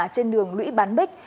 trên đường lũy bán bích